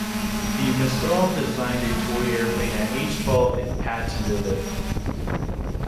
De Mestral designed a toy airplane at age twelve and patented it.